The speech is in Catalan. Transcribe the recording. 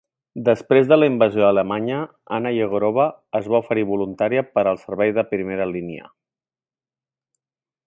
Després de la invasió alemanya, Anna Yegorova es va oferir voluntària per al servei de primera línia.